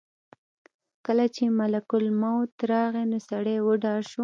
کله چې ملک الموت راغی نو سړی وډار شو.